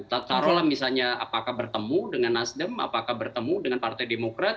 taruhlah misalnya apakah bertemu dengan nasdem apakah bertemu dengan partai demokrat